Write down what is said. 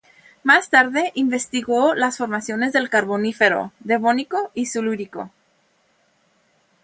Más tarde investigó las formaciones del Carbonífero, Devónico y Silúrico.